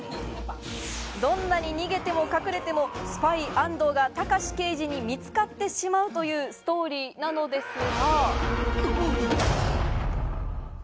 どんなに逃げても隠れてもスパイ・アンドーがタカシ刑事に見つかってしまうというストーリーなのですが。